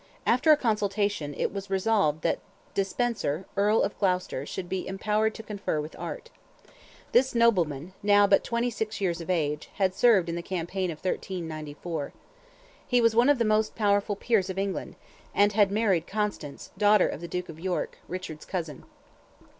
After a consultation, it was resolved that de Spencer, Earl of Gloucester, should be empowered to confer with Art. This nobleman, now but 26 years of age, had served in the campaign of 1394. He was one of the most powerful peers of England, and had married Constance, daughter of the Duke of York, Richard's cousin.